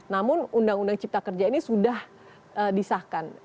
namun undang undang cipta kerja ini sudah disahkan